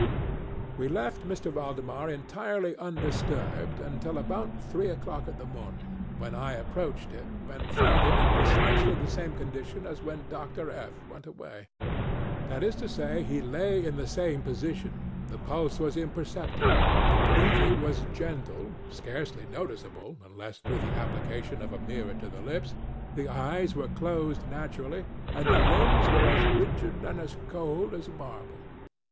We left M. Valdemar entirely undisturbed until about three oŌĆÖclock in the morning, when I approached him and found him in precisely the same condition as when Dr. FŌĆöŌĆö went awayŌĆöthat is to say, he lay in the same position; the pulse was imperceptible; the breathing was gentle (scarcely noticeable, unless through the application of a mirror to the lips); the eyes were closed naturally; and the limbs were as rigid and as cold as marble.